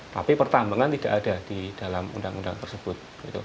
tapi pertambangan tidak ada di dalam undang undang tersebut